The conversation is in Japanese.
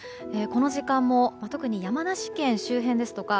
この時間も特に山梨県周辺ですとか